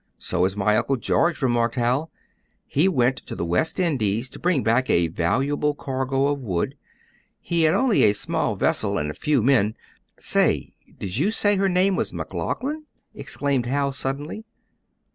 "So is my Uncle George," remarked Hal. "He went to the West Indies to bring back a valuable cargo of wood. He had only a small vessel, and a few men. Say, did you say her name was McLaughlin?" exclaimed Hal, suddenly.